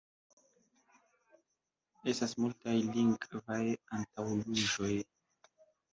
Estas multaj lingvaj antaŭjuĝoj.